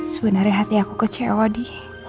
sebenernya hati aku kecewa di